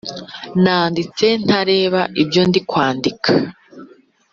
Nanditse ntareba ibyo ndi kwandika